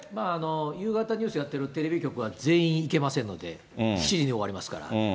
夕方、ニュースやってるテレビ局は全員行けませんので、７時に終わりますから。